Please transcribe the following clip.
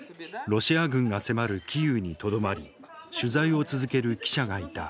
ロシア軍が迫るキーウにとどまり取材を続ける記者がいた。